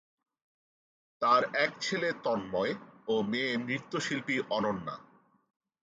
তার এক ছেলে তন্ময় ও মেয়ে নৃত্য শিল্পী অনন্যা।